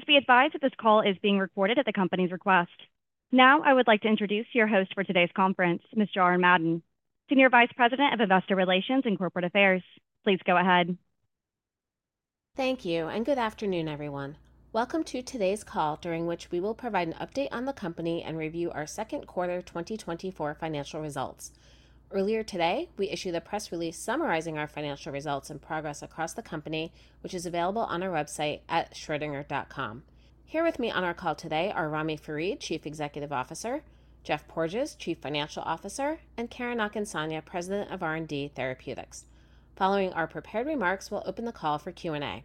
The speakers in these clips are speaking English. Please be advised that this call is being recorded at the company's request. Now, I would like to introduce your host for today's conference, Ms. Jaren Madden, Senior Vice President of Investor Relations and Corporate Affairs. Please go ahead. Thank you, and good afternoon, everyone. Welcome to today's call, during which we will provide an update on the company and review our second quarter 2024 financial results. Earlier today, we issued a press release summarizing our financial results and progress across the company, which is available on our website at schrodinger.com. Here with me on our call today are Ramy Farid, Chief Executive Officer; Geoff Porges, Chief Financial Officer; and Karen Akinsanya, President of R&D Therapeutics. Following our prepared remarks, we'll open the call for Q&A.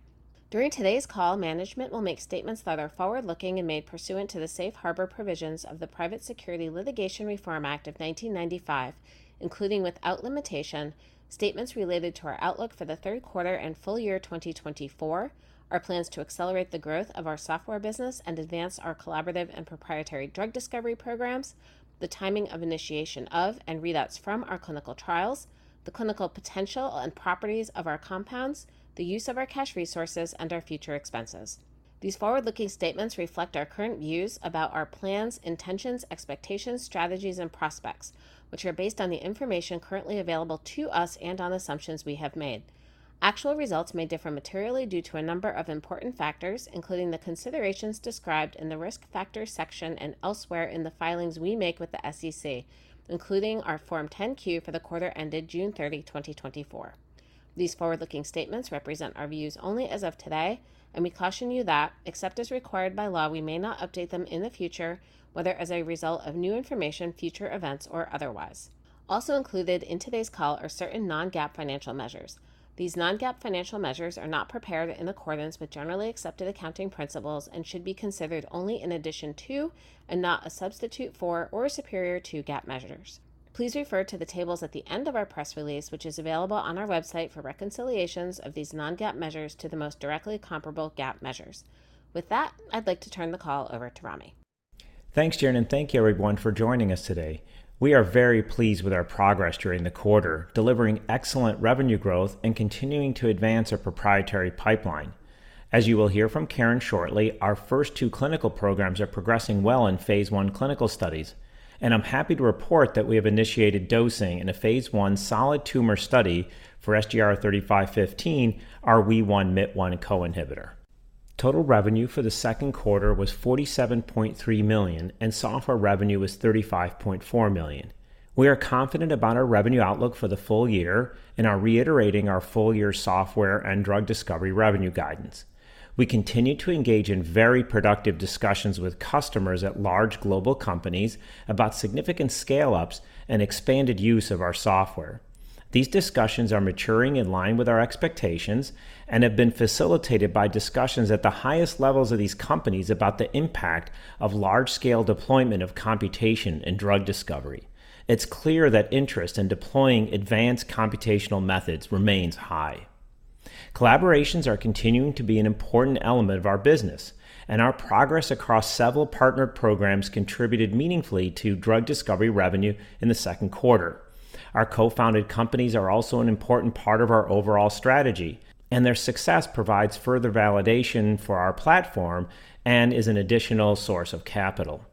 During today's call, management will make statements that are forward-looking and made pursuant to the Safe Harbor provisions of the Private Securities Litigation Reform Act of 1995, including, without limitation, statements related to our outlook for the third quarter and full year 2024, our plans to accelerate the growth of our software business and advance our collaborative and proprietary drug discovery programs, the timing of initiation of and readouts from our clinical trials, the clinical potential and properties of our compounds, the use of our cash resources, and our future expenses. These forward-looking statements reflect our current views about our plans, intentions, expectations, strategies, and prospects, which are based on the information currently available to us and on assumptions we have made. Actual results may differ materially due to a number of important factors, including the considerations described in the Risk Factors section and elsewhere in the filings we make with the SEC, including our Form 10-Q for the quarter ended June 30, 2024. These forward-looking statements represent our views only as of today, and we caution you that, except as required by law, we may not update them in the future, whether as a result of new information, future events, or otherwise. Also included in today's call are certain non-GAAP financial measures. These non-GAAP financial measures are not prepared in accordance with generally accepted accounting principles and should be considered only in addition to, and not a substitute for or superior to, GAAP measures. Please refer to the tables at the end of our press release, which is available on our website for reconciliations of these non-GAAP measures to the most directly comparable GAAP measures. With that, I'd like to turn the call over to Ramy. Thanks, Jaren, and thank you, everyone, for joining us today. We are very pleased with our progress during the quarter, delivering excellent revenue growth and continuing to advance our proprietary pipeline. As you will hear from Karen shortly, our first two clinical programs are progressing well in Phase 1 clinical studies, and I'm happy to report that we have initiated dosing in a Phase one solid tumor study for SGR-3515, our Wee1/Myt1 co-inhibitor. Total revenue for the second quarter was $47.3 million, and software revenue was $35.4 million. We are confident about our revenue outlook for the full year and are reiterating our full-year software and drug discovery revenue guidance. We continue to engage in very productive discussions with customers at large global companies about significant scale-ups and expanded use of our software. These discussions are maturing in line with our expectations and have been facilitated by discussions at the highest levels of these companies about the impact of large-scale deployment of computation in drug discovery. It's clear that interest in deploying advanced computational methods remains high. Collaborations are continuing to be an important element of our business, and our progress across several partnered programs contributed meaningfully to drug discovery revenue in the second quarter. Our co-founded companies are also an important part of our overall strategy, and their success provides further validation for our platform and is an additional source of capital.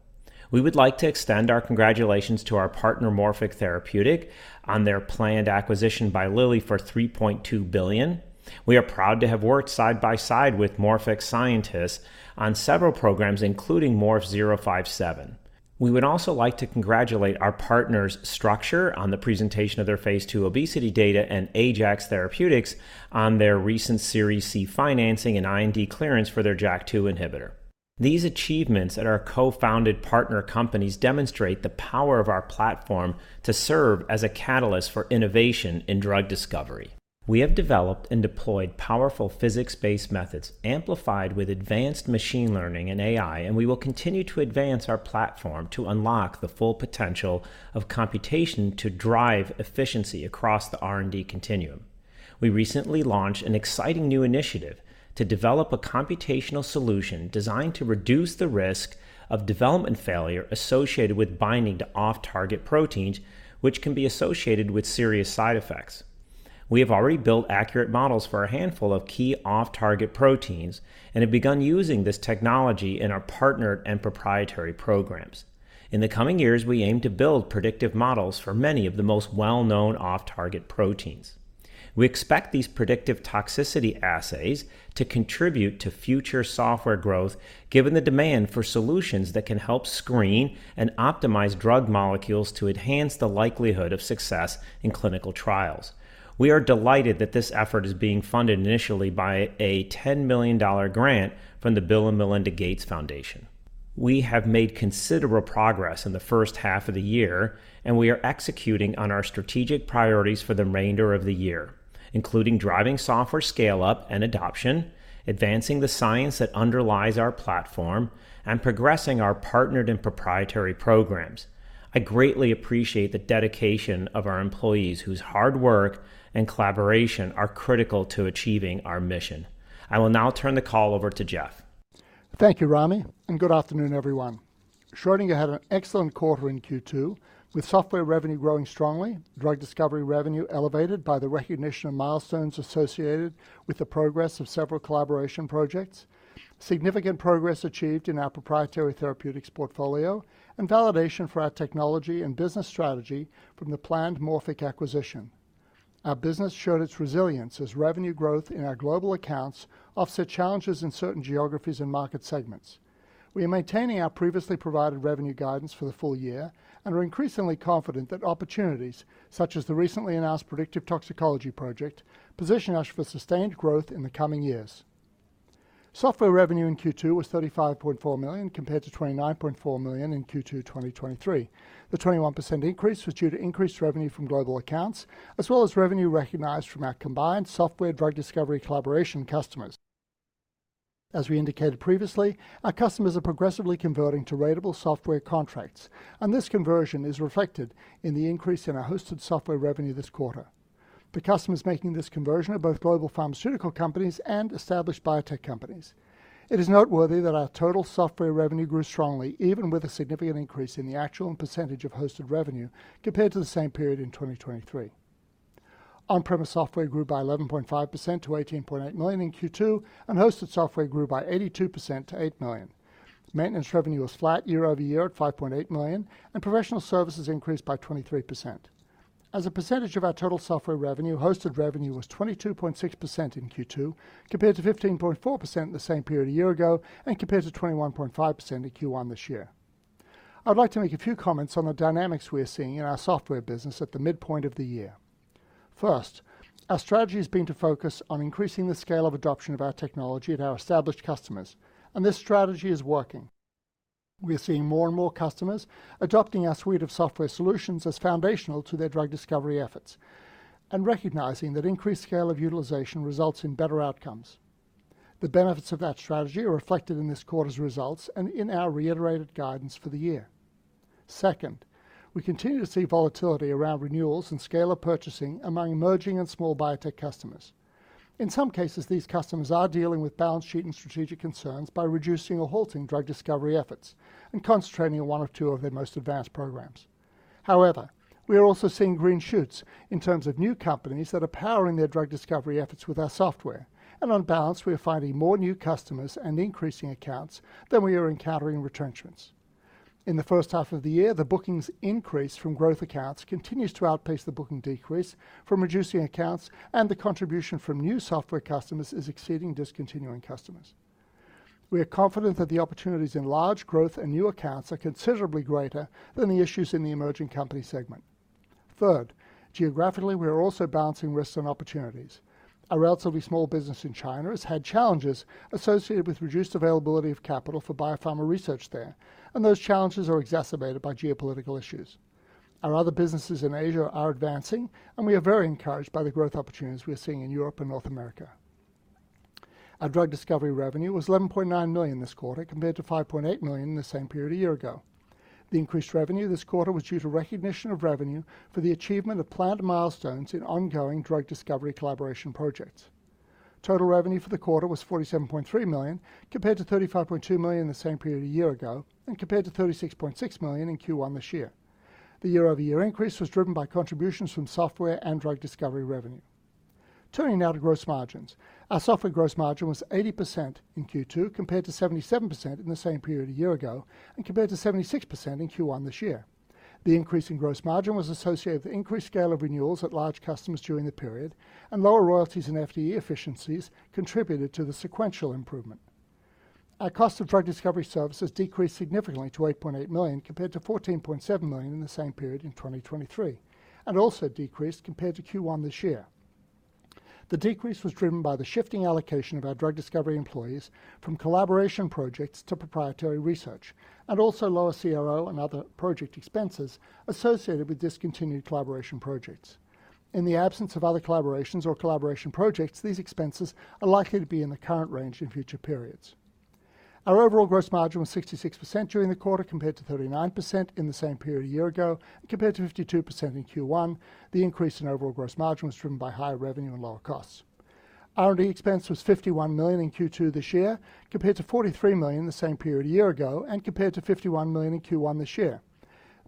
We would like to extend our congratulations to our partner, Morphic Therapeutic, on their planned acquisition by Lilly for $3.2 billion. We are proud to have worked side by side with Morphic's scientists on several programs, including MORF-057. We would also like to congratulate our partners Structure Therapeutics on the presentation of their Phase 2 obesity data and Ajax Therapeutics on their recent Series C financing and IND clearance for their JAK2 inhibitor. These achievements at our co-founded partner companies demonstrate the power of our platform to serve as a catalyst for innovation in drug discovery. We have developed and deployed powerful physics-based methods, amplified with advanced machine learning and AI, and we will continue to advance our platform to unlock the full potential of computation to drive efficiency across the R&D continuum. We recently launched an exciting new initiative to develop a computational solution designed to reduce the risk of development failure associated with binding to off-target proteins, which can be associated with serious side effects. We have already built accurate models for a handful of key off-target proteins and have begun using this technology in our partnered and proprietary programs. In the coming years, we aim to build predictive models for many of the most well-known off-target proteins. We expect these predictive toxicity assays to contribute to future software growth, given the demand for solutions that can help screen and optimize drug molecules to enhance the likelihood of success in clinical trials. We are delighted that this effort is being funded initially by a $10 million grant from the Bill & Melinda Gates Foundation. We have made considerable progress in the first half of the year, and we are executing on our strategic priorities for the remainder of the year, including driving software scale-up and adoption, advancing the science that underlies our platform, and progressing our partnered and proprietary programs. I greatly appreciate the dedication of our employees, whose hard work and collaboration are critical to achieving our mission. I will now turn the call over to Geoff. Thank you, Ramy, and good afternoon, everyone.... Schrödinger had an excellent quarter in Q2, with software revenue growing strongly, drug discovery revenue elevated by the recognition of milestones associated with the progress of several collaboration projects, significant progress achieved in our proprietary therapeutics portfolio, and validation for our technology and business strategy from the planned Morphic acquisition. Our business showed its resilience as revenue growth in our global accounts offset challenges in certain geographies and market segments. We are maintaining our previously provided revenue guidance for the full year and are increasingly confident that opportunities, such as the recently announced predictive toxicology project, position us for sustained growth in the coming years. Software revenue in Q2 was $35.4 million, compared to $29.4 million in Q2 2023. The 21% increase was due to increased revenue from global accounts, as well as revenue recognized from our combined software drug discovery collaboration customers. As we indicated previously, our customers are progressively converting to ratable software contracts, and this conversion is reflected in the increase in our hosted software revenue this quarter. The customers making this conversion are both global pharmaceutical companies and established biotech companies. It is noteworthy that our total software revenue grew strongly, even with a significant increase in the actual and percentage of hosted revenue compared to the same period in 2023. On-premise software grew by 11.5% to $18.8 million in Q2, and hosted software grew by 82% to $8 million. Maintenance revenue was flat year-over-year at $5.8 million, and professional services increased by 23%. As a percentage of our total software revenue, hosted revenue was 22.6% in Q2, compared to 15.4% the same period a year ago and compared to 21.5% in Q1 this year. I'd like to make a few comments on the dynamics we are seeing in our software business at the midpoint of the year. First, our strategy has been to focus on increasing the scale of adoption of our technology at our established customers, and this strategy is working. We are seeing more and more customers adopting our suite of software solutions as foundational to their drug discovery efforts and recognizing that increased scale of utilization results in better outcomes. The benefits of that strategy are reflected in this quarter's results and in our reiterated guidance for the year. Second, we continue to see volatility around renewals and scale of purchasing among emerging and small biotech customers. In some cases, these customers are dealing with balance sheet and strategic concerns by reducing or halting drug discovery efforts and concentrating on one or two of their most advanced programs. However, we are also seeing green shoots in terms of new companies that are powering their drug discovery efforts with our software. On balance, we are finding more new customers and increasing accounts than we are encountering retrenchments. In the first half of the year, the bookings increase from growth accounts continues to outpace the booking decrease from reducing accounts, and the contribution from new software customers is exceeding discontinuing customers. We are confident that the opportunities in large growth and new accounts are considerably greater than the issues in the emerging company segment. Third, geographically, we are also balancing risks and opportunities. A relatively small business in China has had challenges associated with reduced availability of capital for biopharma research there, and those challenges are exacerbated by geopolitical issues. Our other businesses in Asia are advancing, and we are very encouraged by the growth opportunities we are seeing in Europe and North America. Our drug discovery revenue was $11.9 million this quarter, compared to $5.8 million in the same period a year ago. The increased revenue this quarter was due to recognition of revenue for the achievement of planned milestones in ongoing drug discovery collaboration projects. Total revenue for the quarter was $47.3 million, compared to $35.2 million in the same period a year ago and compared to $36.6 million in Q1 this year. The year-over-year increase was driven by contributions from software and drug discovery revenue. Turning now to gross margins. Our software gross margin was 80% in Q2, compared to 77% in the same period a year ago and compared to 76% in Q1 this year. The increase in gross margin was associated with increased scale of renewals at large customers during the period, and lower royalties and FTE efficiencies contributed to the sequential improvement. Our cost of drug discovery services decreased significantly to $8.8 million, compared to $14.7 million in the same period in 2023, and also decreased compared to Q1 this year. The decrease was driven by the shifting allocation of our drug discovery employees from collaboration projects to proprietary research, and also lower CRO and other project expenses associated with discontinued collaboration projects. In the absence of other collaborations or collaboration projects, these expenses are likely to be in the current range in future periods. Our overall gross margin was 66% during the quarter, compared to 39% in the same period a year ago, compared to 52% in Q1. The increase in overall gross margin was driven by higher revenue and lower costs. R&D expense was $51 million in Q2 this year, compared to $43 million in the same period a year ago, and compared to $51 million in Q1 this year.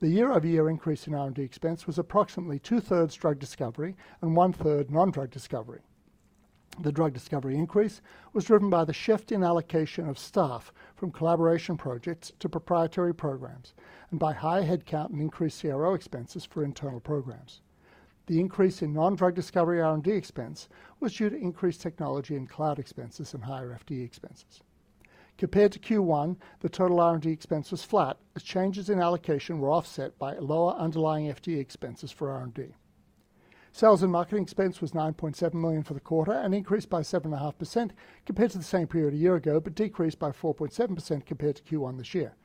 The year-over-year increase in R&D expense was approximately two-thirds drug discovery and one-third non-drug discovery. The drug discovery increase was driven by the shift in allocation of staff from collaboration projects to proprietary programs and by higher headcount and increased CRO expenses for internal programs. The increase in non-drug discovery R&D expense was due to increased technology and cloud expenses and higher FTE expenses. Compared to Q1, the total R&D expense was flat, as changes in allocation were offset by lower underlying FTE expenses for R&D. Sales and marketing expense was $9.7 million for the quarter and increased by 7.5% compared to the same period a year ago, but decreased by 4.7% compared to Q1 this year.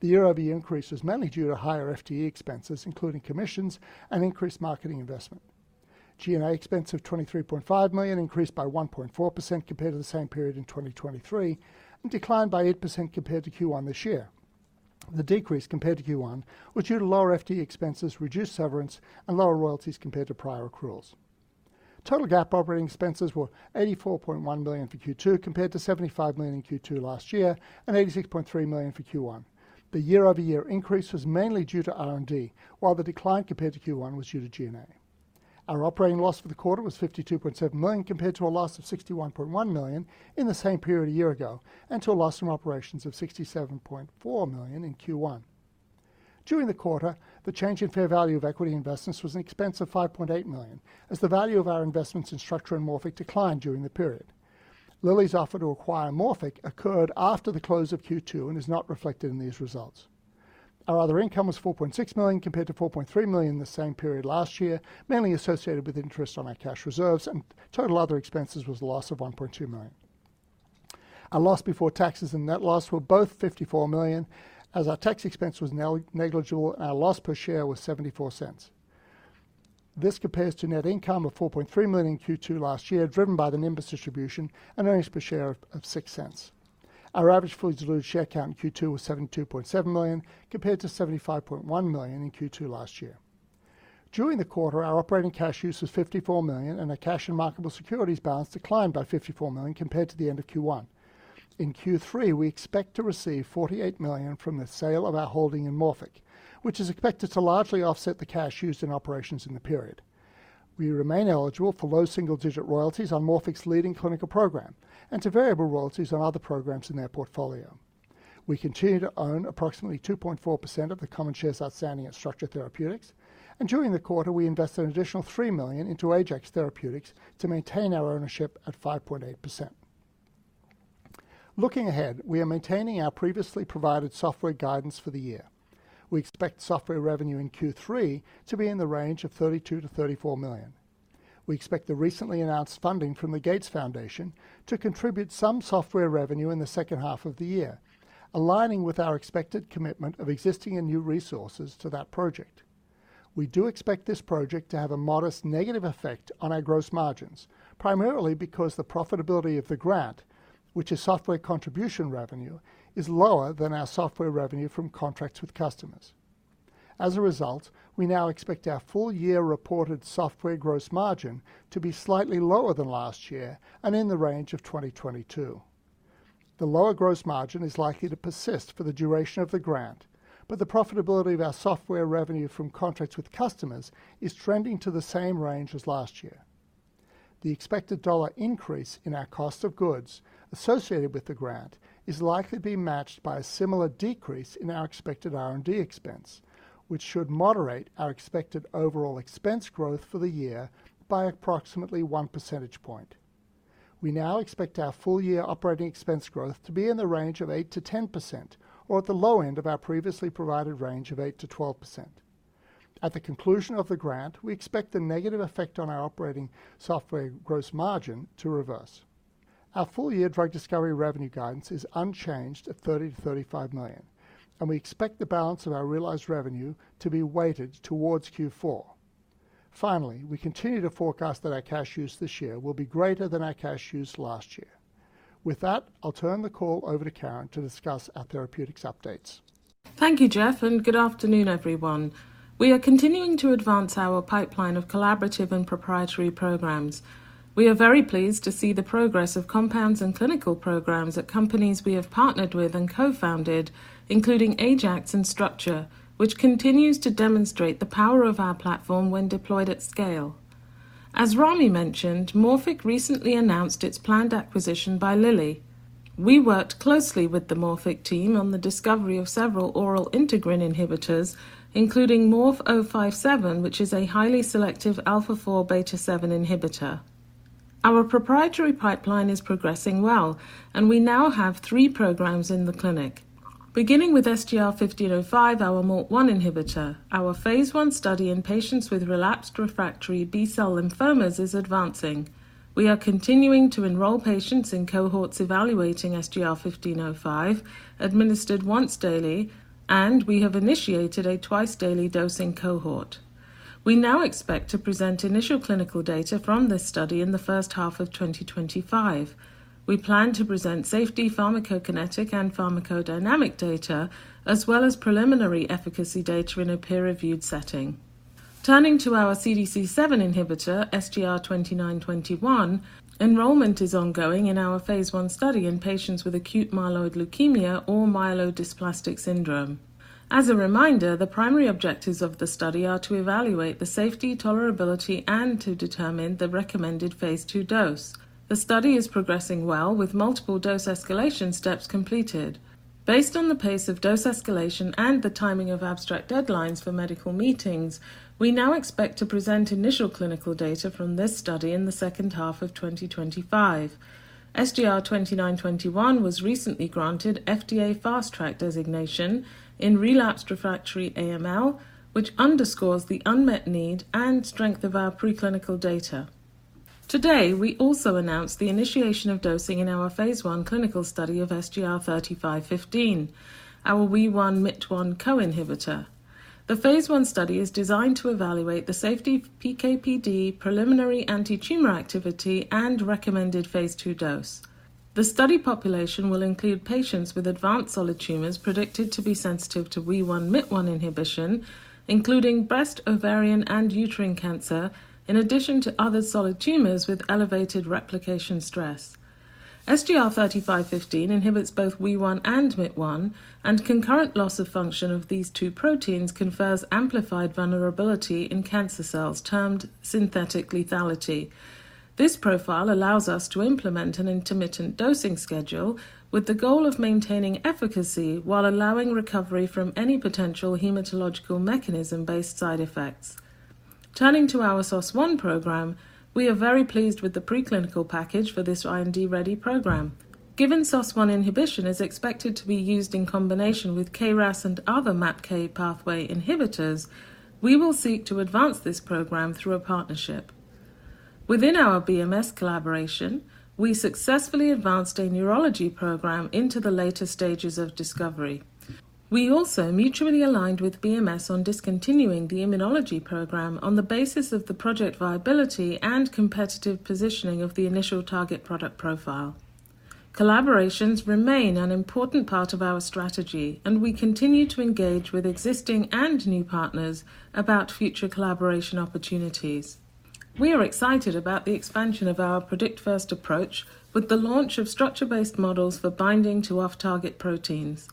The year-over-year increase was mainly due to higher FTE expenses, including commissions and increased marketing investment. G&A expense of $23.5 million increased by 1.4% compared to the same period in 2023, and declined by 8% compared to Q1 this year. The decrease compared to Q1 was due to lower FTE expenses, reduced severance, and lower royalties compared to prior accruals.... Total GAAP operating expenses were $84.1 million for Q2, compared to $75 million in Q2 last year and $86.3 million for Q1. The year-over-year increase was mainly due to R&D, while the decline compared to Q1 was due to G&A. Our operating loss for the quarter was $52.7 million, compared to a loss of $61.1 million in the same period a year ago, and to a loss from operations of $67.4 million in Q1. During the quarter, the change in fair value of equity investments was an expense of $5.8 million, as the value of our investments in Structure and Morphic declined during the period. Lilly's offer to acquire Morphic occurred after the close of Q2 and is not reflected in these results. Our other income was $4.6 million, compared to $4.3 million in the same period last year, mainly associated with interest on our cash reserves, and total other expenses was a loss of $1.2 million. Our loss before taxes and net loss were both $54 million, as our tax expense was negligible and our loss per share was $0.74. This compares to net income of $4.3 million in Q2 last year, driven by the Nimbus distribution and earnings per share of six cents. Our average fully diluted share count in Q2 was 72.7 million, compared to 75.1 million in Q2 last year. During the quarter, our operating cash use was $54 million, and our cash and marketable securities balance declined by $54 million compared to the end of Q1. In Q3, we expect to receive $48 million from the sale of our holding in Morphic, which is expected to largely offset the cash used in operations in the period. We remain eligible for low double-digit royalties on Morphic's leading clinical program and to variable royalties on other programs in their portfolio. We continue to own approximately 2.4% of the common shares outstanding at Structure Therapeutics, and during the quarter, we invested an additional $3 million into Ajax Therapeutics to maintain our ownership at 5.8%. Looking ahead, we are maintaining our previously provided software guidance for the year. We expect software revenue in Q3 to be in the range of $32 million-$34 million. We expect the recently announced funding from the Gates Foundation to contribute some software revenue in the second half of the year, aligning with our expected commitment of existing and new resources to that project. We do expect this project to have a modest negative effect on our gross margins, primarily because the profitability of the grant, which is software contribution revenue, is lower than our software revenue from contracts with customers. As a result, we now expect our full-year reported software gross margin to be slightly lower than last year and in the range of 20%-22%. The lower gross margin is likely to persist for the duration of the grant, but the profitability of our software revenue from contracts with customers is trending to the same range as last year. The expected dollar increase in our cost of goods associated with the grant is likely to be matched by a similar decrease in our expected R&D expense, which should moderate our expected overall expense growth for the year by approximately one percentage point. We now expect our full-year operating expense growth to be in the range of 8%-10%, or at the low end of our previously provided range of 8%-12%. At the conclusion of the grant, we expect the negative effect on our operating software gross margin to reverse. Our full-year drug discovery revenue guidance is unchanged at $30 million-$35 million, and we expect the balance of our realized revenue to be weighted towards Q4. Finally, we continue to forecast that our cash use this year will be greater than our cash use last year. With that, I'll turn the call over to Karen to discuss our therapeutics updates. Thank you, Geoff, and good afternoon, everyone. We are continuing to advance our pipeline of collaborative and proprietary programs. We are very pleased to see the progress of compounds and clinical programs at companies we have partnered with and co-founded, including Ajax and Structure, which continues to demonstrate the power of our platform when deployed at scale. As Ramy mentioned, Morphic recently announced its planned acquisition by Lilly. We worked closely with the Morphic team on the discovery of several oral integrin inhibitors, including MORF-057, which is a highly selective alpha four beta seven inhibitor. Our proprietary pipeline is progressing well, and we now have 3 programs in the clinic. Beginning with SGR-1505, our MALT1 inhibitor, our phase 1 study in patients with relapsed refractory B-cell lymphomas is advancing. We are continuing to enroll patients in cohorts evaluating SGR-1505, administered once daily, and we have initiated a twice-daily dosing cohort. We now expect to present initial clinical data from this study in the first half of 2025. We plan to present safety, pharmacokinetic, and pharmacodynamic data, as well as preliminary efficacy data in a peer-reviewed setting. Turning to our CDC7 inhibitor, SGR-2921, enrollment is ongoing in our Phase one study in patients with Acute myeloid leukemia or Myelodysplastic syndrome. As a reminder, the primary objectives of the study are to evaluate the safety, tolerability, and to determine the recommended Phase two dose. The study is progressing well, with multiple dose escalation steps completed. Based on the pace of dose escalation and the timing of abstract deadlines for medical meetings, we now expect to present initial clinical data from this study in the second half of 2025. SGR-2921 was recently granted FDA Fast Track designation in relapsed refractory AML, which underscores the unmet need and strength of our preclinical data. Today, we also announced the initiation of dosing in our phase one clinical study of SGR-3515, our Wee1/Myt1 co-inhibitor. The phase one study is designed to evaluate the safety, PK/PD, preliminary antitumor activity, and recommended phase 2 dose. The study population will include patients with advanced solid tumors predicted to be sensitive to Wee1, Myt1 inhibition, including breast, ovarian, and uterine cancer, in addition to other solid tumors with elevated replication stress. SGR-3515 inhibits both Wee1 and Myt1, and concurrent loss of function of these two proteins confers amplified vulnerability in cancer cells, termed synthetic lethality. This profile allows us to implement an intermittent dosing schedule with the goal of maintaining efficacy while allowing recovery from any potential hematological mechanism-based side effects. Turning to our SOS1 program, we are very pleased with the preclinical package for this R&D-ready program. Given SOS1 inhibition is expected to be used in combination with KRAS and other MAPK pathway inhibitors, we will seek to advance this program through a partnership. Within our BMS collaboration, we successfully advanced a neurology program into the later stages of discovery. We also mutually aligned with BMS on discontinuing the immunology program on the basis of the project viability and competitive positioning of the initial target product profile. Collaborations remain an important part of our strategy, and we continue to engage with existing and new partners about future collaboration opportunities. We are excited about the expansion of our predict-first approach with the launch of structure-based models for binding to off-target proteins.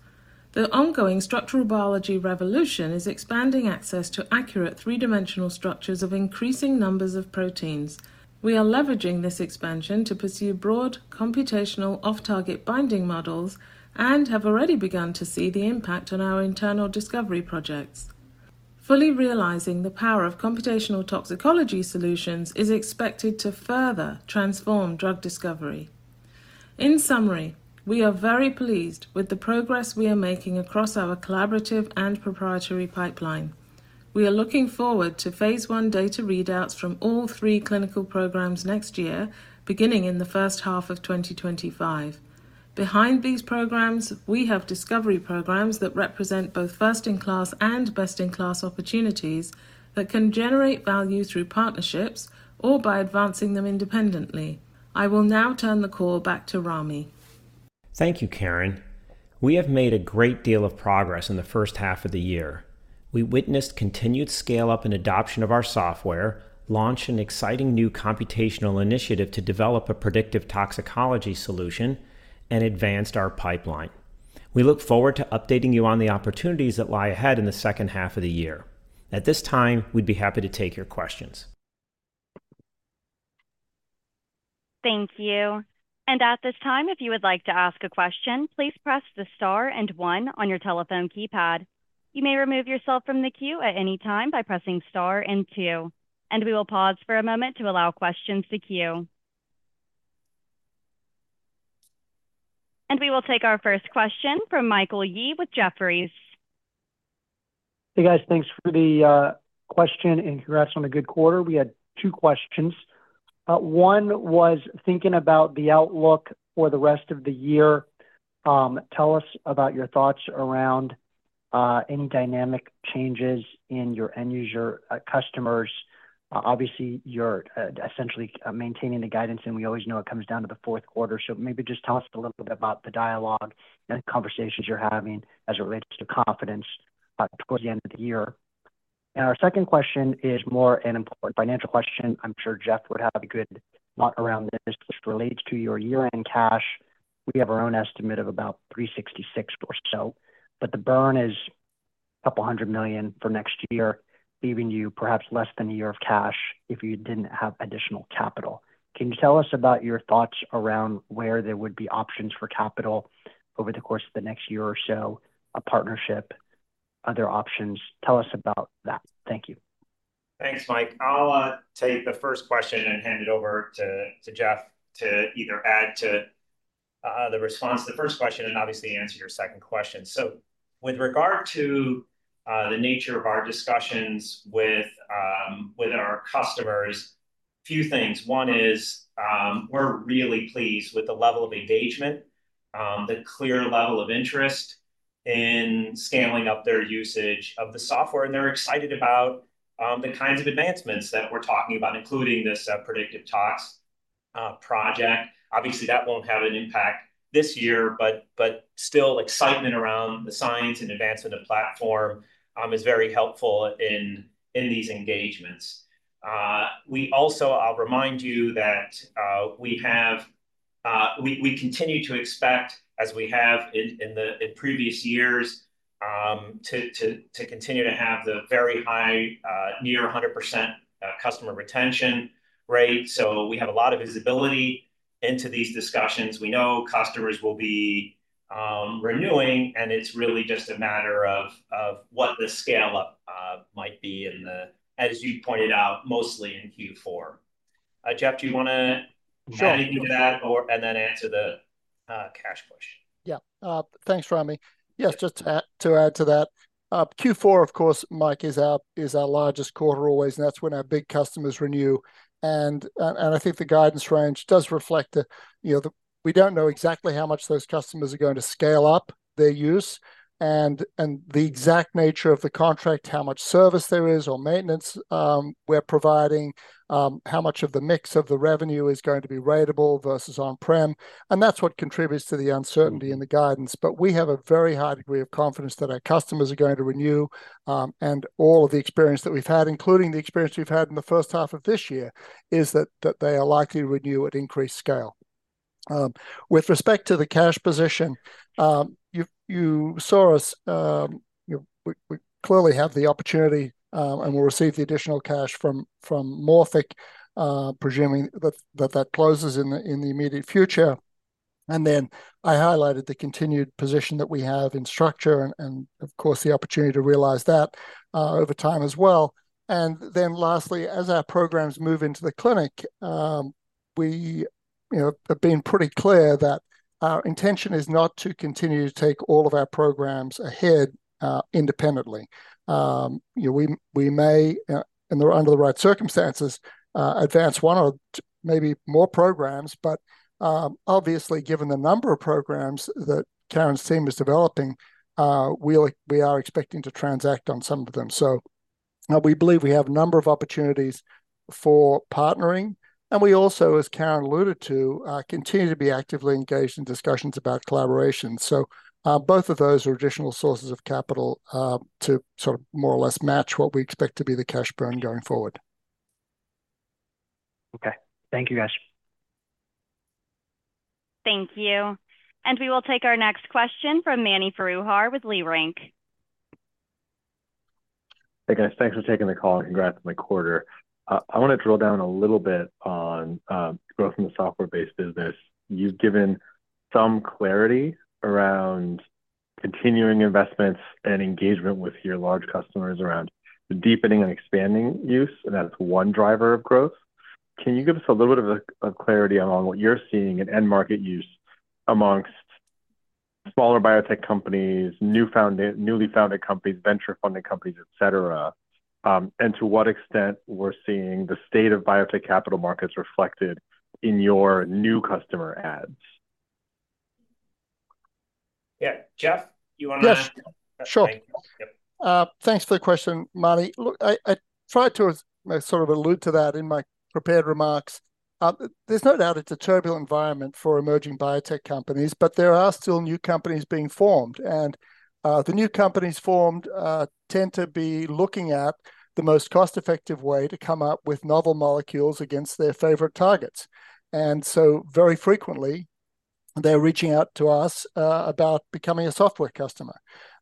The ongoing structural biology revolution is expanding access to accurate three-dimensional structures of increasing numbers of proteins. We are leveraging this expansion to pursue broad computational off-target binding models and have already begun to see the impact on our internal discovery projects. Fully realizing the power of computational toxicology solutions is expected to further transform drug discovery. In summary, we are very pleased with the progress we are making across our collaborative and proprietary pipeline. We are looking forward to phase 1 data readouts from all three clinical programs next year, beginning in the first half of 2025. Behind these programs, we have discovery programs that represent both first-in-class and best-in-class opportunities that can generate value through partnerships or by advancing them independently. I will now turn the call back to Ramy. Thank you, Karen. We have made a great deal of progress in the first half of the year. We witnessed continued scale-up and adoption of our software, launched an exciting new computational initiative to develop a predictive toxicology solution, and advanced our pipeline. We look forward to updating you on the opportunities that lie ahead in the second half of the year. At this time, we'd be happy to take your questions. Thank you. At this time, if you would like to ask a question, please press the star and one on your telephone keypad. You may remove yourself from the queue at any time by pressing star and two, and we will pause for a moment to allow questions to queue. We will take our first question from Michael Yee with Jefferies. Hey, guys. Thanks for the question, and congrats on a good quarter. We had two questions. One was thinking about the outlook for the rest of the year. Tell us about your thoughts around any dynamic changes in your end user customers. Obviously, you're essentially maintaining the guidance, and we always know it comes down to the fourth quarter. So maybe just tell us a little bit about the dialogue and conversations you're having as it relates to confidence towards the end of the year. And our second question is more an important financial question. I'm sure Jeff would have a good thought around this. Just relates to your year-end cash. We have our own estimate of about 366 or so, but the burn is $200 million for next year, leaving you perhaps less than a year of cash if you didn't have additional capital. Can you tell us about your thoughts around where there would be options for capital over the course of the next year or so, a partnership, other options? Tell us about that. Thank you. Thanks, Mike. I'll take the first question and hand it over to Jeff to either add to the response to the first question and obviously answer your second question. So with regard to the nature of our discussions with our customers, a few things. One is, we're really pleased with the level of engagement, the clear level of interest in scaling up their usage of the software, and they're excited about the kinds of advancements that we're talking about, including this predictive tox project. Obviously, that won't have an impact this year, but still excitement around the science and advancement of platform is very helpful in these engagements. We also, I'll remind you that we continue to expect, as we have in previous years, to continue to have the very high, near 100% customer retention rate. So we have a lot of visibility into these discussions. We know customers will be renewing, and it's really just a matter of what the scale-up might be in the... as you pointed out, mostly in Q4. Jeff, do you wanna- Sure. Add into that or, and then answer the cash question? Yeah. Thanks, Rami. Yes, just to add to that, Q4, of course, Mike, is our largest quarter always, and that's when our big customers renew. And I think the guidance range does reflect the, you know, the... We don't know exactly how much those customers are going to scale up their use and the exact nature of the contract, how much service there is or maintenance we're providing, how much of the mix of the revenue is going to be ratable versus on-prem, and that's what contributes to the uncertainty in the guidance. We have a very high degree of confidence that our customers are going to renew, and all of the experience that we've had, including the experience we've had in the first half of this year, is that, that they are likely to renew at increased scale. ... with respect to the cash position, you saw us, you know, we clearly have the opportunity, and we'll receive the additional cash from Morphic, presuming that closes in the immediate future. And then I highlighted the continued position that we have in Structure and, of course, the opportunity to realize that over time as well. And then lastly, as our programs move into the clinic, we, you know, have been pretty clear that our intention is not to continue to take all of our programs ahead independently. You know, we may, under the right circumstances, advance one or maybe more programs, but obviously, given the number of programs that Karen's team is developing, we are expecting to transact on some of them. We believe we have a number of opportunities for partnering, and we also, as Karen alluded to, continue to be actively engaged in discussions about collaboration. Both of those are additional sources of capital, to sort of more or less match what we expect to be the cash burn going forward. Okay. Thank you, guys. Thank you. We will take our next question from Mani Foroohar with Leerink Partners. Hey, guys. Thanks for taking the call, and congrats on the quarter. I wanna drill down a little bit on growth in the software-based business. You've given some clarity around continuing investments and engagement with your large customers around the deepening and expanding use, and that's one driver of growth. Can you give us a little bit of clarity on what you're seeing in end-market use amongst smaller biotech companies, newly founded companies, venture-funded companies, et cetera? And to what extent we're seeing the state of biotech capital markets reflected in your new customer adds? Yeah, Jeff, you wanna- Yes, sure. Yep. Thanks for the question, Mani. Look, I tried to sort of allude to that in my prepared remarks. There's no doubt it's a turbulent environment for emerging biotech companies, but there are still new companies being formed. And the new companies formed tend to be looking at the most cost-effective way to come up with novel molecules against their favorite targets. And so very frequently, they're reaching out to us about becoming a software customer.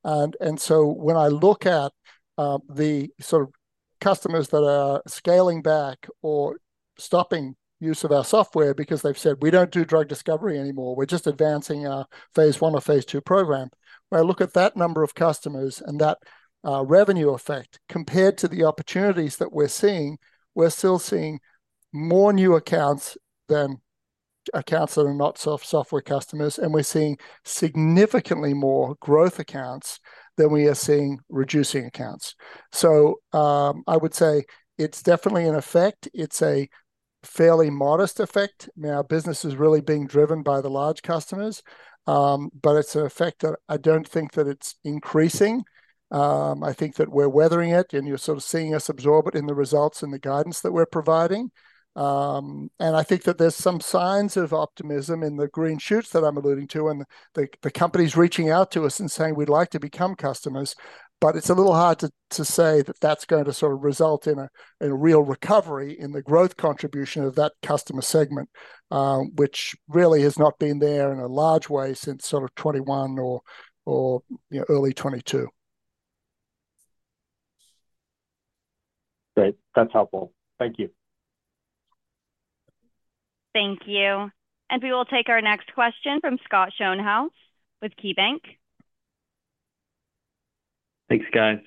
and so when I look at the sort of customers that are scaling back or stopping use of our software because they've said, "We don't do drug discovery anymore, we're just advancing our phase 1 or phase 2 program," when I look at that number of customers and that revenue effect, compared to the opportunities that we're seeing, we're still seeing more new accounts than accounts that are not software customers, and we're seeing significantly more growth accounts than we are seeing reducing accounts. So, I would say it's definitely in effect, it's a fairly modest effect. Now, business is really being driven by the large customers, but it's an effect that I don't think that it's increasing. I think that we're weathering it, and you're sort of seeing us absorb it in the results and the guidance that we're providing. and I think that there's some signs of optimism in the green shoots that I'm alluding to, and the companies reaching out to us and saying, "We'd like to become customers," but it's a little hard to say that that's going to sort of result in a real recovery in the growth contribution of that customer segment, which really has not been there in a large way since sort of 2021 or, you know, early 2022. Great. That's helpful. Thank you. Thank you. We will take our next question from Scott Schoenhaus with KeyBanc. Thanks, guys.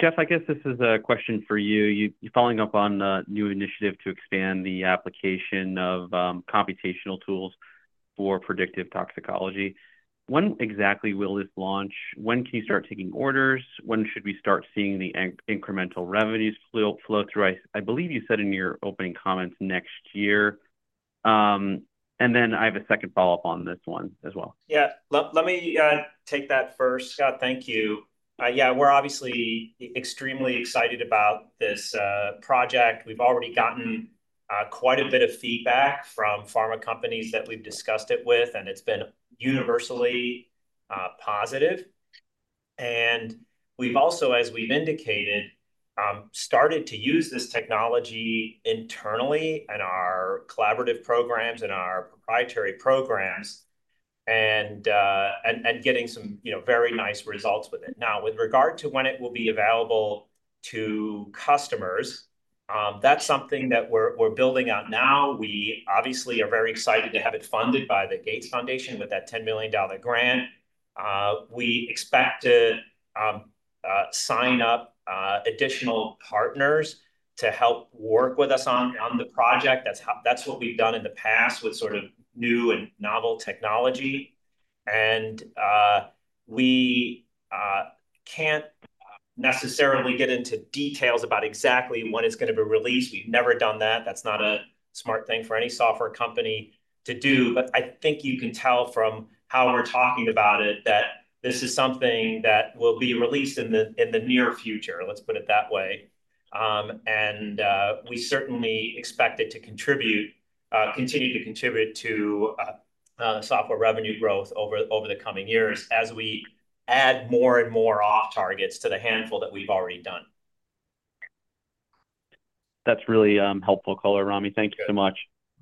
Jeff, I guess this is a question for you. Following up on the new initiative to expand the application of computational tools for predictive toxicology, when exactly will this launch? When can you start taking orders? When should we start seeing the incremental revenues flow through? I believe you said in your opening comments next year. And then I have a second follow-up on this one as well. Yeah. Let me take that first, Scott. Thank you. Yeah, we're obviously extremely excited about this project. We've already gotten quite a bit of feedback from pharma companies that we've discussed it with, and it's been universally positive. And we've also, as we've indicated, started to use this technology internally in our collaborative programs and our proprietary programs, and getting some, you know, very nice results with it. Now, with regard to when it will be available to customers, that's something that we're building out now. We obviously are very excited to have it funded by the Gates Foundation with that $10 million grant. We expect to sign up additional partners to help work with us on the project. That's what we've done in the past with sort of new and novel technology. We can't necessarily get into details about exactly when it's gonna be released. We've never done that. That's not a smart thing for any software company to do, but I think you can tell from how we're talking about it, that this is something that will be released in the near future, let's put it that way. And, we certainly expect it to contribute, continue to contribute to software revenue growth over the coming years as we add more and more off -targets to the handful that we've already done.... That's really helpful color, Ramy. Thank you so much.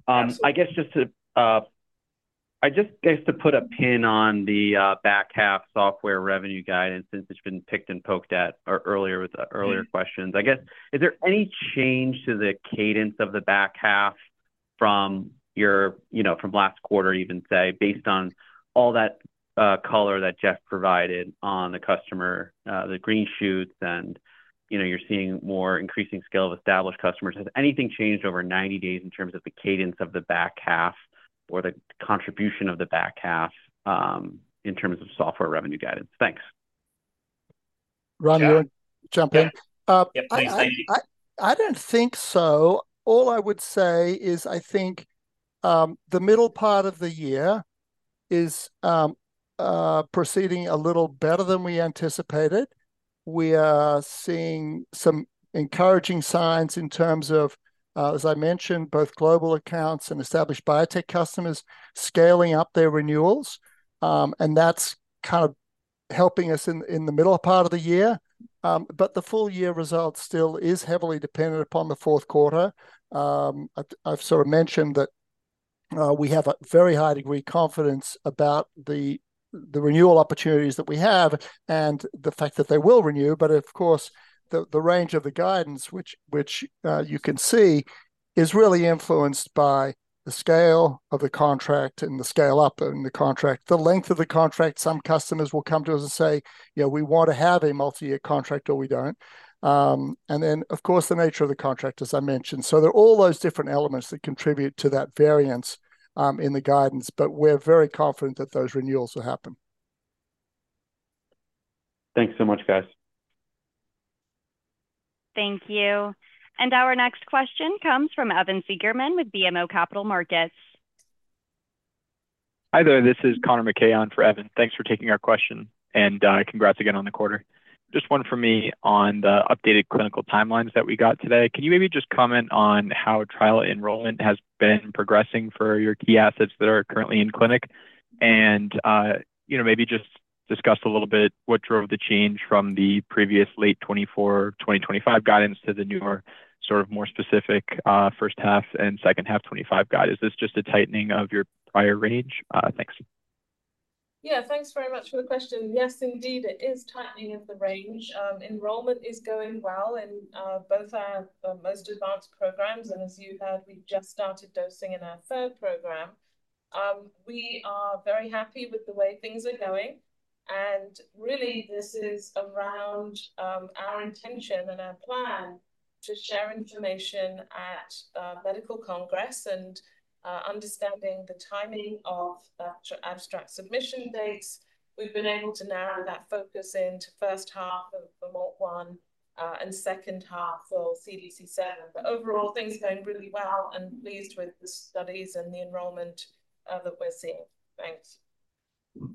I guess just to put a pin on the back half software revenue guidance, since it's been picked and poked at earlier with the earlier questions. I guess, is there any change to the cadence of the back half from your, you know, from last quarter, even say, based on all that color that Jeff provided on the customer, the green shoots and, you know, you're seeing more increasing scale of established customers. Has anything changed over 90 days in terms of the cadence of the back half or the contribution of the back half in terms of software revenue guidance? Thanks. Ramy, you want to jump in? Yeah. Uh- Yeah, please. Thank you. I don't think so. All I would say is, I think, the middle part of the year is proceeding a little better than we anticipated. We are seeing some encouraging signs in terms of, as I mentioned, both global accounts and established biotech customers scaling up their renewals. And that's kind of helping us in the middle part of the year. But the full year result still is heavily dependent upon the fourth quarter. I've sort of mentioned that we have a very high degree confidence about the renewal opportunities that we have and the fact that they will renew. But of course, the range of the guidance, which you can see, is really influenced by the scale of the contract and the scale up in the contract, the length of the contract. Some customers will come to us and say, "Yeah, we want to have a multi-year contract, or we don't." And then, of course, the nature of the contract, as I mentioned. So there are all those different elements that contribute to that variance, in the guidance, but we're very confident that those renewals will happen. Thanks so much, guys. Thank you. Our next question comes from Evan Seigerman with BMO Capital Markets. Hi there, this is Connor McKay on for Evan. Thanks for taking our question, and congrats again on the quarter. Just one for me on the updated clinical timelines that we got today. Can you maybe just comment on how trial enrollment has been progressing for your key assets that are currently in clinic? And you know, maybe just discuss a little bit what drove the change from the previous late 2024, 2025 guidance to the newer, sort of, more specific first half and second half 2025 guide. Is this just a tightening of your prior range? Thanks. Yeah, thanks very much for the question. Yes, indeed, it is tightening of the range. Enrollment is going well in both our most advanced programs, and as you heard, we just started dosing in our third program. We are very happy with the way things are going, and really, this is around our intention and our plan to share information at medical congress and understanding the timing of the abstract submission dates. We've been able to narrow that focus into first half of the MALT1 and second half for CDC7. But overall, things are going really well and pleased with the studies and the enrollment that we're seeing. Thanks. Mm.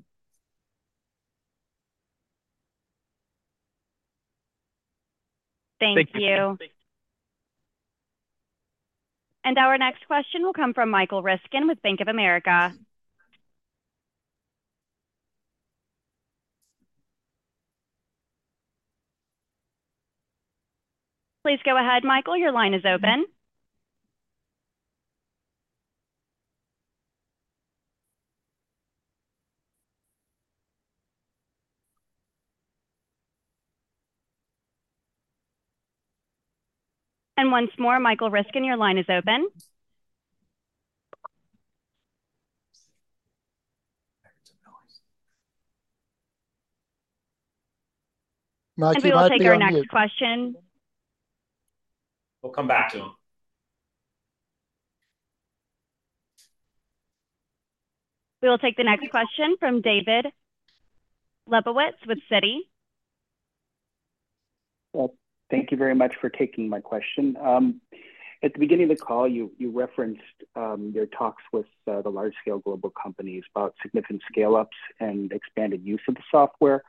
Thank you. Thank you. Our next question will come from Michael Ryskin with Bank of America. Please go ahead, Michael, your line is open. Once more, Michael Ryskin, your line is open. I hear some noise. We will take our next question. We'll come back to him. We will take the next question from David Lebowitz with Citi. Well, thank you very much for taking my question. At the beginning of the call, you referenced your talks with the large-scale global companies about significant scale-ups and expanded use of the software.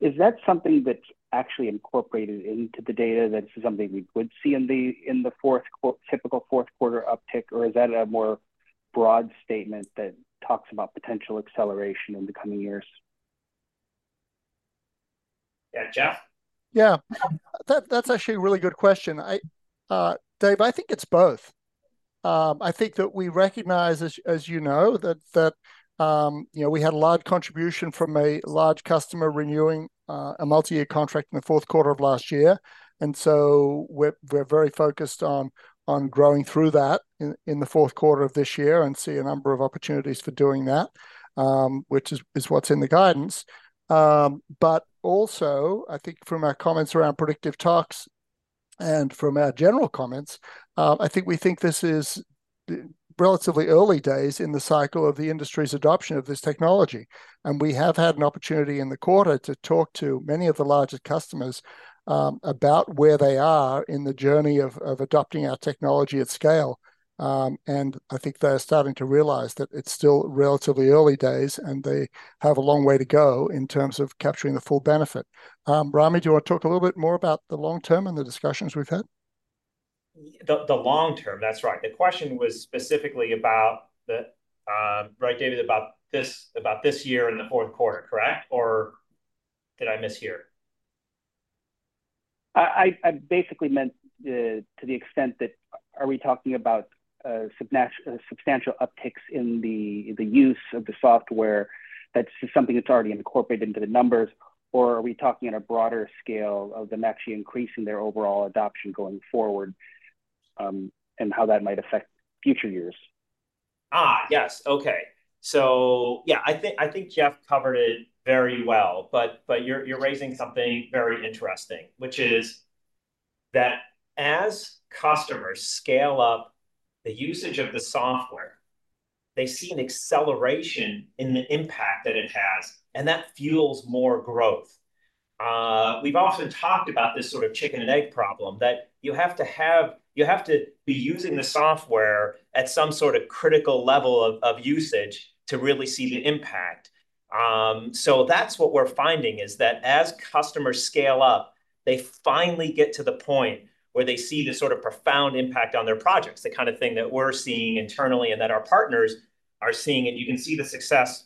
Is that something that's actually incorporated into the data, that's something we would see in the typical fourth quarter uptick, or is that a more broad statement that talks about potential acceleration in the coming years? Yeah, Jeff? Yeah. That, that's actually a really good question. I, Dave, I think it's both. I think that we recognize as, as you know, that, that, you know, we had a large contribution from a large customer renewing, a multi-year contract in the fourth quarter of last year, and so we're very focused on growing through that in the fourth quarter of this year and see a number of opportunities for doing that, which is what's in the guidance. But also, I think from our comments around predictive tox and from our general comments, I think we think this is relatively early days in the cycle of the industry's adoption of this technology. We have had an opportunity in the quarter to talk to many of the larger customers about where they are in the journey of adopting our technology at scale. And I think they are starting to realize that it's still relatively early days, and they have a long way to go in terms of capturing the full benefit. Rami, do you want to talk a little bit more about the long term and the discussions we've had? The long term, that's right. The question was specifically about the right, David, about this, about this year and the fourth quarter, correct? Or... did I mishear? I basically meant, to the extent that are we talking about substantial upticks in the use of the software that's just something that's already incorporated into the numbers, or are we talking on a broader scale of them actually increasing their overall adoption going forward, and how that might affect future years? Ah, yes. Okay. So yeah, I think, I think Jeff covered it very well, but, but you're, you're raising something very interesting, which is that as customers scale up the usage of the software, they see an acceleration in the impact that it has, and that fuels more growth. We've often talked about this sort of chicken and egg problem, that you have to be using the software at some sort of critical level of usage to really see the impact. So that's what we're finding, is that as customers scale up, they finally get to the point where they see the sort of profound impact on their projects, the kind of thing that we're seeing internally and that our partners are seeing, and you can see the success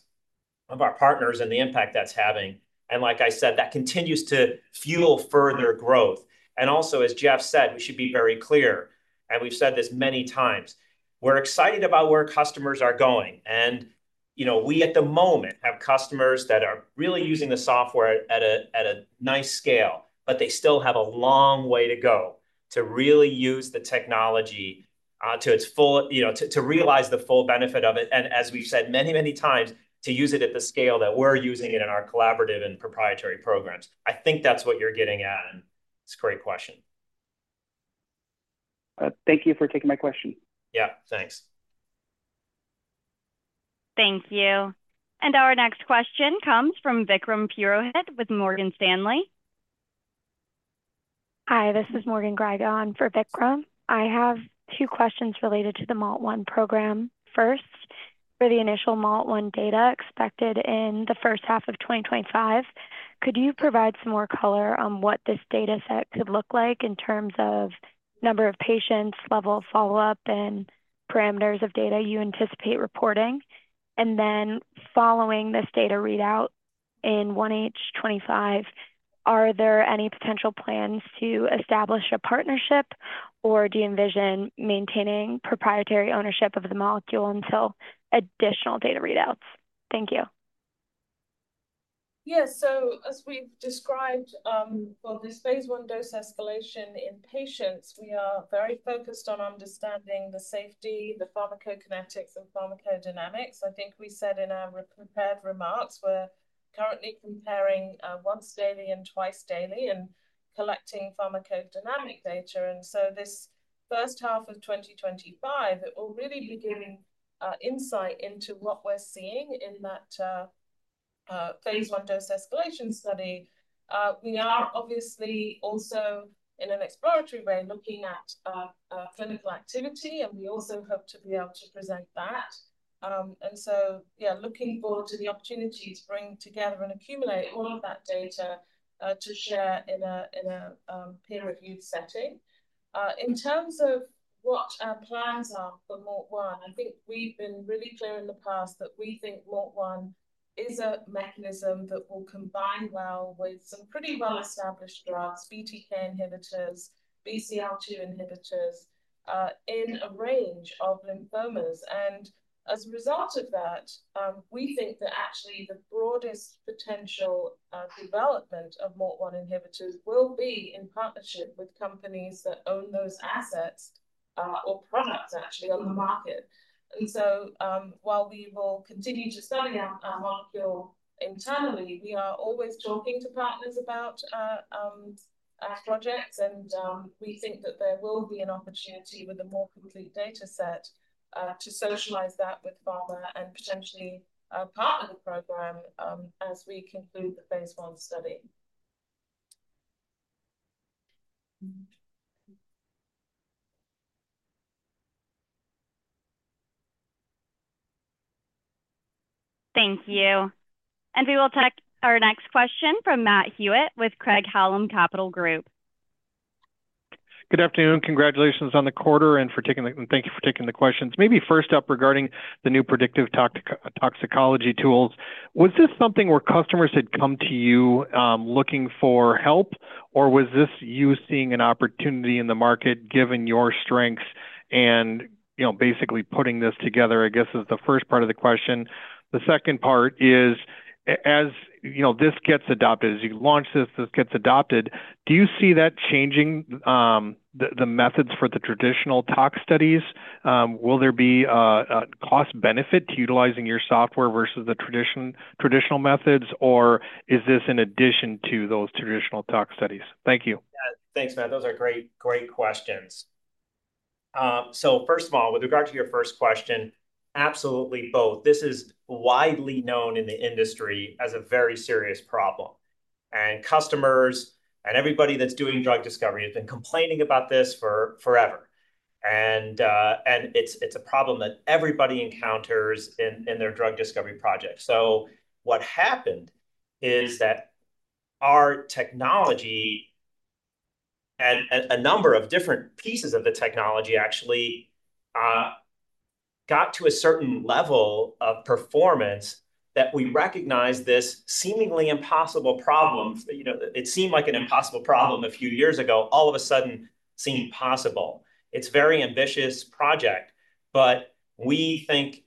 of our partners and the impact that's having. And like I said, that continues to fuel further growth. And also, as Geoff said, we should be very clear, and we've said this many times, we're excited about where customers are going. And, you know, we, at the moment, have customers that are really using the software at a nice scale, but they still have a long way to go to really use the technology. You know, to realize the full benefit of it, and as we've said many, many times, to use it at the scale that we're using it in our collaborative and proprietary programs. I think that's what you're getting at, and it's a great question. Thank you for taking my question. Yeah, thanks. Thank you. Our next question comes from Vikram Purohit with Morgan Stanley. Hi, this is Morgan Gryga for Vikram. I have two questions related to the MALT1 program. First, for the initial MALT1 data expected in the first half of 2025, could you provide some more color on what this data set could look like in terms of number of patients, level of follow-up, and parameters of data you anticipate reporting? And then, following this data readout in 1H 2025, are there any potential plans to establish a partnership, or do you envision maintaining proprietary ownership of the molecule until additional data readouts? Thank you. Yeah, so as we've described, for this Phase I dose escalation in patients, we are very focused on understanding the safety, the pharmacokinetics, and pharmacodynamics. I think we said in our re-prepared remarks, we're currently comparing once daily and twice daily and collecting pharmacodynamic data. And so this first half of 2025, it will really be giving insight into what we're seeing in that Phase I dose escalation study. We are obviously also, in an exploratory way, looking at clinical activity, and we also hope to be able to present that. And so, yeah, looking forward to the opportunity to bring together and accumulate all of that data to share in a peer-reviewed setting. In terms of what our plans are for MALT1, I think we've been really clear in the past that we think MALT1 is a mechanism that will combine well with some pretty well-established drugs, BTK inhibitors, BCL-2 inhibitors, in a range of lymphomas. And as a result of that, we think that actually, the broadest potential, development of MALT1 inhibitors will be in partnership with companies that own those assets, or products actually on the market. And so, while we will continue to study our, our molecule internally, we are always talking to partners about our, our projects, and, we think that there will be an opportunity with a more complete data set, to socialize that with pharma and potentially, partner the program, as we conclude the phase I study. Thank you. We will take our next question from Matt Hewitt with Craig-Hallum Capital Group. Good afternoon. Congratulations on the quarter, and thank you for taking the questions. Maybe first up, regarding the new predictive toxicology tools, was this something where customers had come to you, looking for help, or was this you seeing an opportunity in the market, given your strengths and, you know, basically putting this together? I guess is the first part of the question. The second part is as, you know, this gets adopted, as you launch this, this gets adopted, do you see that changing, the methods for the traditional tox studies? Will there be a cost benefit to utilizing your software versus the traditional methods, or is this in addition to those traditional tox studies? Thank you. Yeah. Thanks, Matt. Those are great, great questions. So first of all, with regard to your first question, absolutely both. This is widely known in the industry as a very serious problem, and customers and everybody that's doing drug discovery have been complaining about this for forever. And, and it's, it's a problem that everybody encounters in, in their drug discovery project. So what happened is that our technology and, and a number of different pieces of the technology actually, got to a certain level of performance that we recognize this seemingly impossible problem, you know, it seemed like an impossible problem a few years ago, all of a sudden seemed possible. It's very ambitious project, but we think,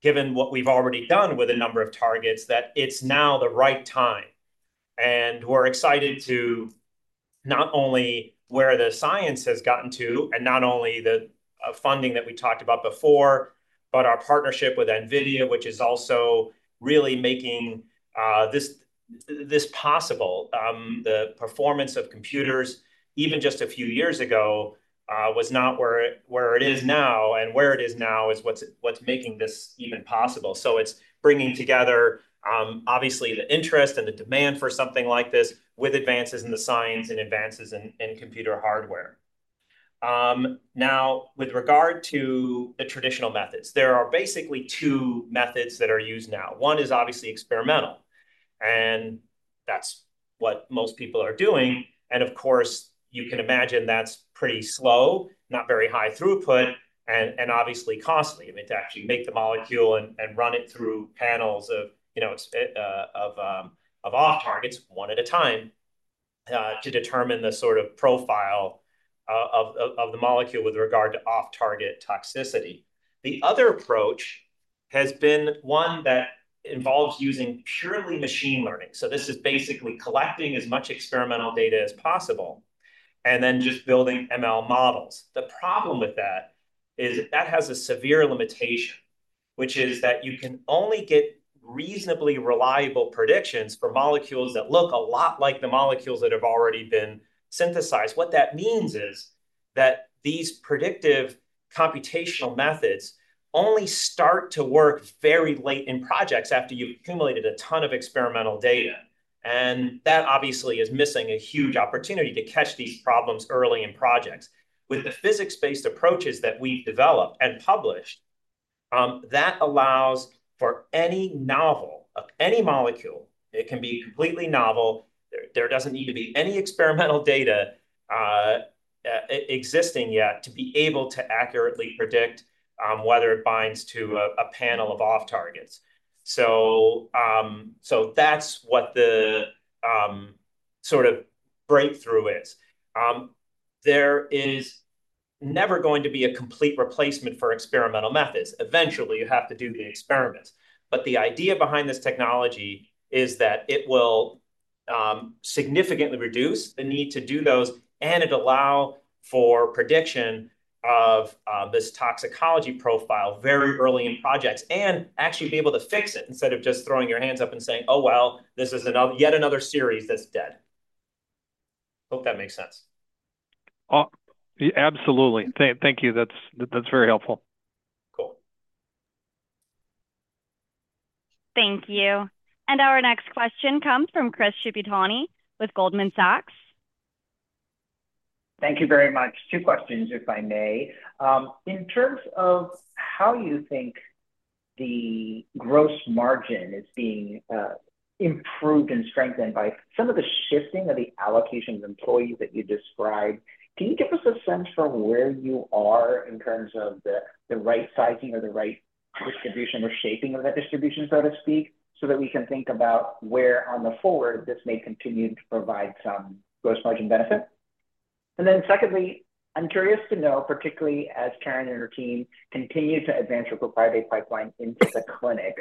given what we've already done with a number of targets, that it's now the right time, and we're excited to not only where the science has gotten to, and not only the funding that we talked about before, but our partnership with NVIDIA, which is also really making this, this possible. The performance of computers, even just a few years ago, was not where it is now, and where it is now is what's making this even possible. So it's bringing together obviously the interest and the demand for something like this, with advances in the science and advances in computer hardware. Now, with regard to the traditional methods, there are basically two methods that are used now. One is obviously experimental, and that's what most people are doing, and of course, you can imagine that's pretty slow, not very high throughput, and obviously costly. I mean, to actually make the molecule and run it through panels of, you know, of off-targets one at a time, to determine the sort of profile of the molecule with regard to off-target toxicity. The other approach has been one that involves using purely machine learning. So this is basically collecting as much experimental data as possible, and then just building ML models. The problem with that is that has a severe limitation, which is that you can only get reasonably reliable predictions for molecules that look a lot like the molecules that have already been synthesized. What that means is that these predictive computational methods only start to work very late in projects, after you've accumulated a ton of experimental data. That, obviously, is missing a huge opportunity to catch these problems early in projects. With the physics-based approaches that we've developed and published, that allows for any novel, of any molecule, it can be completely novel, there doesn't need to be any experimental data, existing yet, to be able to accurately predict whether it binds to a panel of off targets. So, that's what the sort of breakthrough is. There is never going to be a complete replacement for experimental methods. Eventually, you have to do the experiments. But the idea behind this technology is that it will significantly reduce the need to do those, and it allow for prediction of this toxicology profile very early in projects, and actually be able to fix it, instead of just throwing your hands up and saying, "Oh, well, this is yet another series that's dead." Hope that makes sense. Absolutely. Thank you. That's very helpful. Cool. Thank you. Our next question comes from Chris Shibutani with Goldman Sachs. Thank you very much. Two questions, if I may. In terms of how you think the gross margin is being improved and strengthened by some of the shifting of the allocations employees that you described, can you give us a sense for where you are in terms of the right sizing or the right distribution or shaping of that distribution, so to speak, so that we can think about where on the forward this may continue to provide some gross margin benefit? And then secondly, I'm curious to know, particularly as Karen and her team continue to advance your proprietary pipeline into the clinic,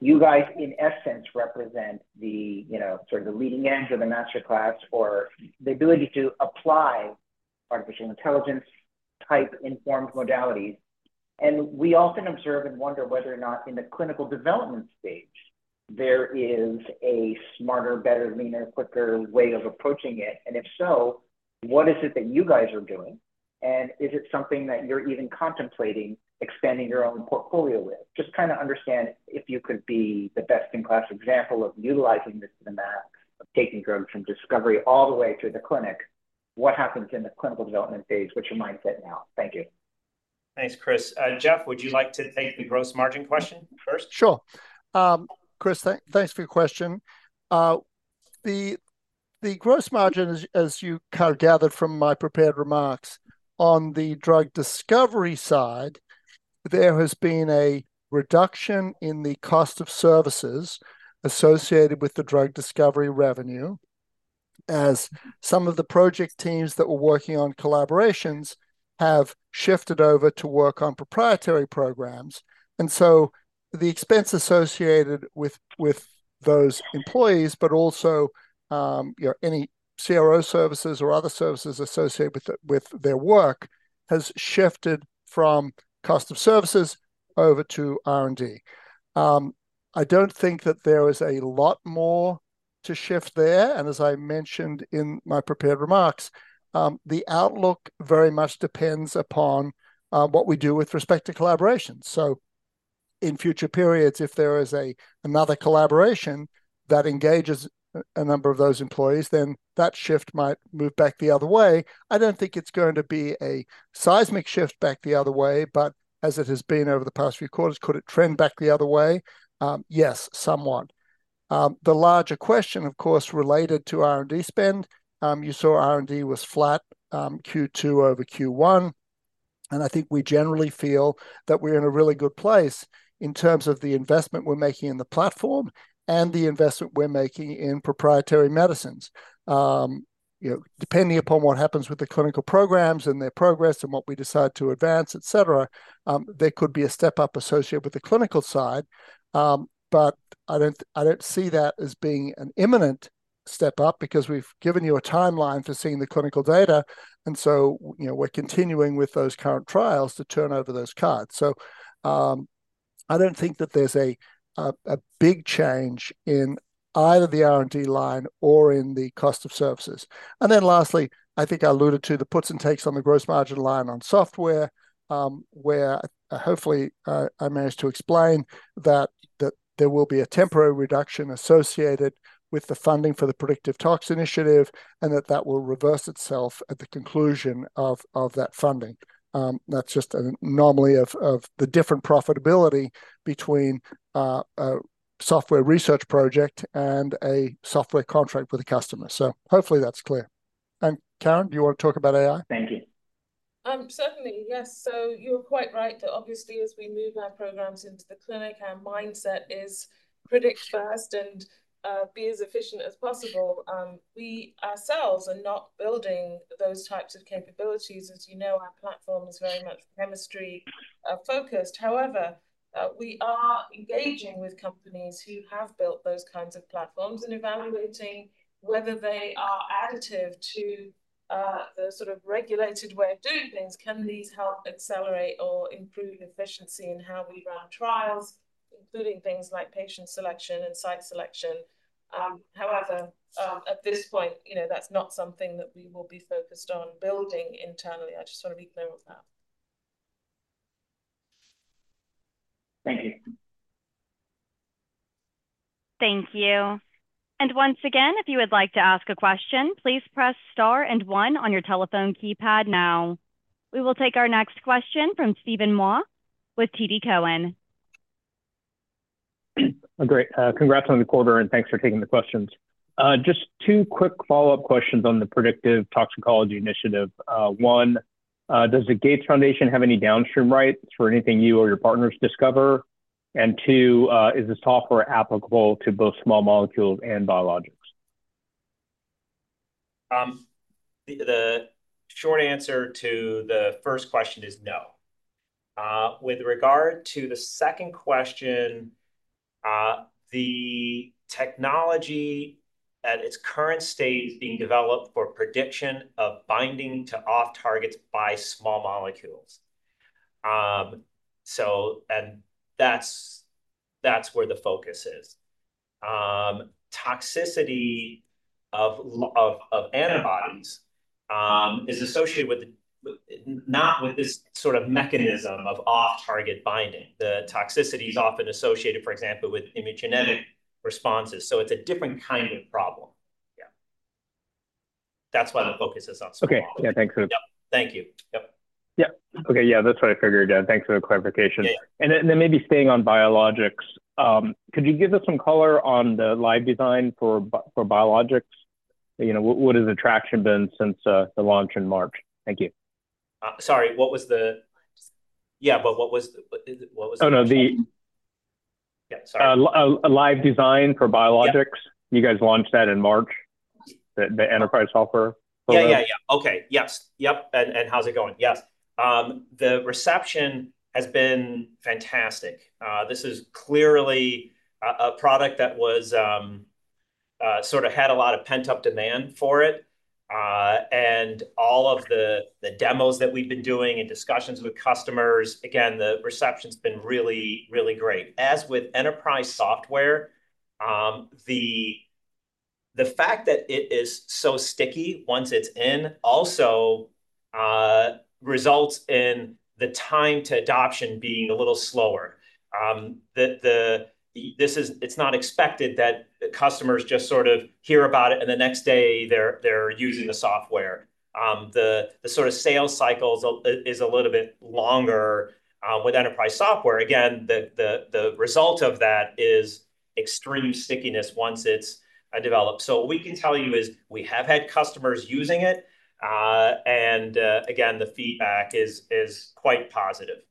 you guys, in essence, represent the, you know, sort of the leading edge of the master class for the ability to apply artificial intelligence-type informed modalities. We often observe and wonder whether or not in the clinical development stage, there is a smarter, better, leaner, quicker way of approaching it, and if so, what is it that you guys are doing? And is it something that you're even contemplating expanding your own portfolio with? Just kinda understand if you could be the best-in-class example of utilizing this demand, of taking drugs from discovery all the way through the clinic. What happens in the clinical development phase? What's your mindset now? Thank you. Thanks, Chris. Jeff, would you like to take the gross margin question first? Sure. Chris, thanks for your question. The gross margin as you kind of gathered from my prepared remarks, on the drug discovery side, there has been a reduction in the cost of services associated with the drug discovery revenue, as some of the project teams that were working on collaborations have shifted over to work on proprietary programs. And so the expense associated with those employees, but also, you know, any CRO services or other services associated with their work, has shifted from cost of services over to R&D. I don't think that there is a lot more to shift there, and as I mentioned in my prepared remarks, the outlook very much depends upon what we do with respect to collaboration. So in future periods, if there is another collaboration that engages a number of those employees, then that shift might move back the other way. I don't think it's going to be a seismic shift back the other way, but as it has been over the past few quarters, could it trend back the other way? Yes, somewhat. The larger question, of course, related to R&D spend. You saw R&D was flat, Q2 over Q1, and I think we generally feel that we're in a really good place in terms of the investment we're making in the platform and the investment we're making in proprietary medicines. You know, depending upon what happens with the clinical programs and their progress and what we decide to advance, et cetera, there could be a step-up associated with the clinical side. But I don't see that as being an imminent step up, because we've given you a timeline for seeing the clinical data, and so, you know, we're continuing with those current trials to turn over those cards. So, I don't think that there's a big change in either the R&D line or in the cost of services. And then lastly, I think I alluded to the puts and takes on the gross margin line on software, where, hopefully, I managed to explain that there will be a temporary reduction associated with the funding for the Predictive Tox Initiative, and that will reverse itself at the conclusion of that funding. That's just an anomaly of the different profitability between a software research project and a software contract with a customer. So hopefully that's clear. Karen, do you want to talk about AI? Thank you. Certainly, yes. So you're quite right that obviously, as we move our programs into the clinic, our mindset is predict first and be as efficient as possible. We ourselves are not building those types of capabilities. As you know, our platform is very much chemistry focused. However, we are engaging with companies who have built those kinds of platforms and evaluating whether they are additive to the sort of regulated way of doing things. Can these help accelerate or improve efficiency in how we run trials, including things like patient selection and site selection? However, at this point, you know, that's not something that we will be focused on building internally. I just want to be clear on that. Thank you. Thank you. And once again, if you would like to ask a question, please press Star and 1 on your telephone keypad now. We will take our next question from Steven Mah with TD Cowen. Great. Congrats on the quarter, and thanks for taking the questions. Just two quick follow-up questions on the Predictive Toxicology Initiative. One, does the Gates Foundation have any downstream rights for anything you or your partners discover? And two, is the software applicable to both small molecules and biologics? The short answer to the first question is no. With regard to the second question, the technology at its current state is being developed for prediction of binding to off-targets by small molecules. So and that's where the focus is. Toxicity of antibodies is associated with not with this sort of mechanism of off-target binding. The toxicity is often associated, for example, with immunogenic responses, so it's a different kind of problem. Yeah. That's why the focus is on small molecules. Okay. Yeah, thanks. Yep. Thank you. Yep. Yep. Okay, yeah, that's what I figured. Thanks for the clarification. Yeah. And then maybe staying on biologics, could you give us some color on the LiveDesign for biologics? You know, what has the traction been since the launch in March? Thank you. Sorry, what was the... Yeah, but what was the, what is it, what was the- Oh, no. Yeah, sorry. LiveDesign for biologics. Yep. You guys launched that in March, the enterprise software. Yeah, yeah, yeah. Okay. Yes. Yep, and, and how's it going? Yes. The reception has been fantastic. This is clearly a product that was sort of had a lot of pent-up demand for it. And all of the demos that we've been doing and discussions with customers, again, the reception's been really, really great. As with enterprise software, the fact that it is so sticky once it's in also results in the time to adoption being a little slower. This is—it's not expected that the customers just sort of hear about it, and the next day they're using the software. The sort of sales cycles is a little bit longer with enterprise software. Again, the result of that is extreme stickiness once it's developed. So what we can tell you is we have had customers using it, and again, the feedback is quite positive.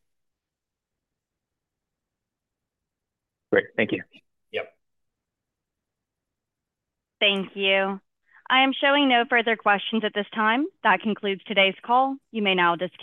Great. Thank you. Yep. Thank you. I am showing no further questions at this time. That concludes today's call. You may now disconnect.